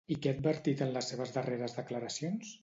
I què ha advertit en les seves darreres declaracions?